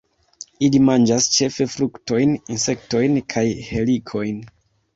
Ili manĝas ĉefe fruktojn, insektojn kaj helikojn.